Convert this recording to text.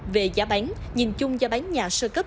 về giá bán nhìn chung giá bán nhà sơ cấp